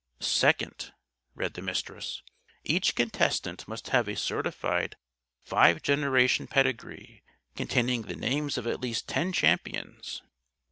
"'Second,'" read the Mistress. "'_Each contestant must have a certified five generation pedigree, containing the names of at least ten champions.